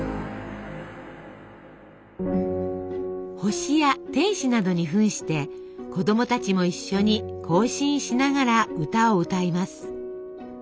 星や天使などにふんして子供たちも一緒に行進しながら歌を歌います。